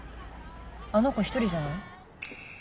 あの子１人じゃない？